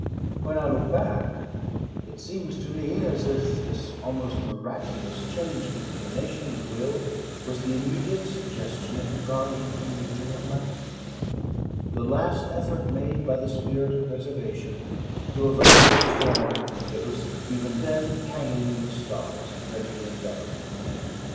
When I look back, it seems to me as if this almost miraculous change of inclination and will was the immediate suggestion of the guardian angel of my life the last effort made by the spirit of preservation to avert the storm that was even then hanging in the stars, and ready to envelope me.